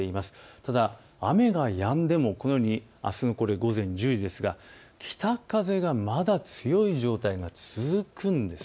ただ雨がやんでもこのように、あすの午前１０時ですが北風がまだ強い状態が続くんです。